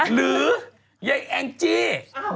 หรือเยี่ยงแอ้งจี้